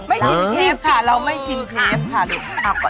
ไม่ชิมเชฟค่ะเราไม่ชิมเชฟค่ะลูกออกไป